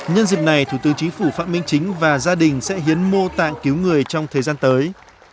nhân dịp này thủ tướng chính phủ phạm minh chính và gia đình sẽ hiến mô tạng cứu người trong thời gian tới